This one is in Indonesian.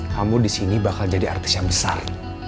kamu disini bakal jadi artis yang besar